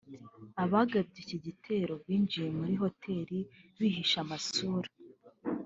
Abagabye iki gitero binjiye muri hotel bihishe amasura